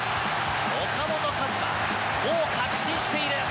岡本和真、もう確信している。